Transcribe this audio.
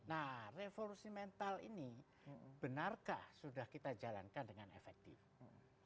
nah revolusi mental ini benarkah sudah kita jalankan dengan efektif